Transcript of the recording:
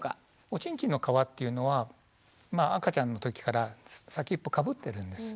おちんちんの皮っていうのは赤ちゃんの時から先っぽかぶってるんです。